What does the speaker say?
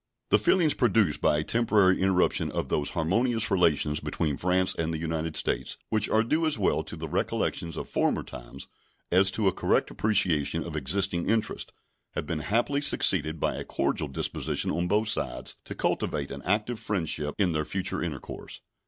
The feelings produced by a temporary interruption of those harmonious relations between France and the United States which are due as well to the recollections of former times as to a correct appreciation of existing interests have been happily succeeded by a cordial disposition on both sides to cultivate an active friendship in their future intercourse.